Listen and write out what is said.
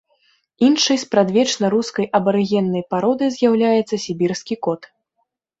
Іншай спрадвечна рускай абарыгеннай пародай з'яўляецца сібірскі кот.